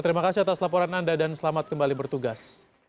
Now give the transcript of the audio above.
terima kasih atas laporan anda dan selamat kembali bertugas